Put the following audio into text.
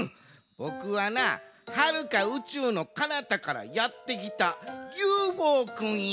ボクはなはるかうちゅうのかなたからやってきたＵＦＯくんや。